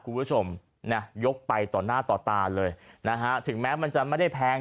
คุณผู้ชมนะยกไปต่อหน้าต่อตาเลยนะฮะถึงแม้มันจะไม่ได้แพง